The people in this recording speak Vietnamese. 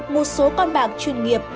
một số con bạc chuyên nghiệp